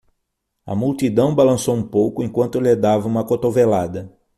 A multidão balançou um pouco enquanto eu lhe dava uma cotovelada.